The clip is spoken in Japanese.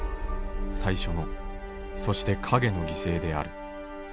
最初のそして蔭の犠牲である。